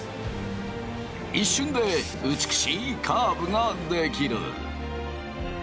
一瞬で美しいカーブが出来る。